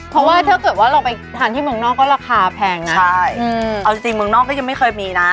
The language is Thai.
เพราะว่าถ้าเกิดว่าเราไปทานที่เมืองนอกก็ราคาแพงนะใช่เอาจริงเมืองนอกก็ยังไม่เคยมีนะ